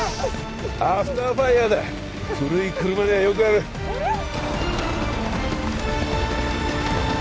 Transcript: アフターファイヤーだ古い車にはよくあるえっ？